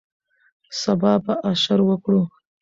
سبا به اشر وکړو